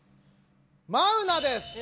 マウナです。